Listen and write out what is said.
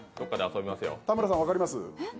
田村さん分かります？